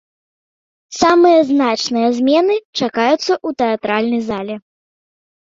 Самыя значныя змены чакаюцца ў тэатральнай зале.